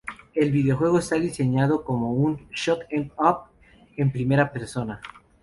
El videojuego está diseñado como un "shoot-em-up" en primera persona.